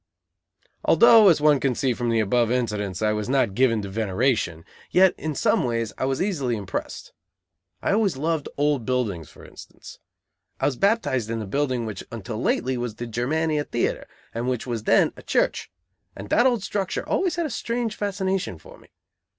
Although, as one can see from the above incidents, I was not given to veneration, yet in some ways I was easily impressed. I always loved old buildings, for instance. I was baptized in the building which was until lately the Germania Theatre, and which was then a church; and that old structure always had a strange fascination for me.